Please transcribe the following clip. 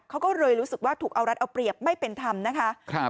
เขาก็เลยรู้สึกว่าถูกเอารัดเอาเปรียบไม่เป็นธรรมนะคะ